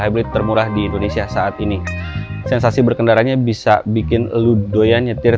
hybrid termurah di indonesia saat ini sensasi berkendaranya bisa bikin ludoyan nyetir